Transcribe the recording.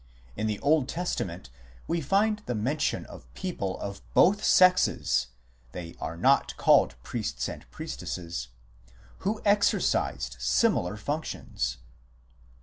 In the Old Testament we find the mention of people of both sexes (they are not called priests and priestesses) who exercised similar func tions.